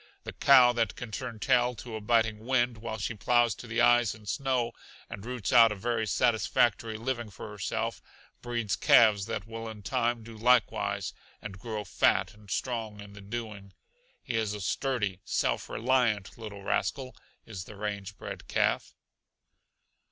The cow that can turn tail to a biting wind the while she ploughs to the eyes in snow and roots out a very satisfactory living for herself breeds calves that will in time do likewise and grow fat and strong in the doing. He is a sturdy, self reliant little rascal, is the range bred calf.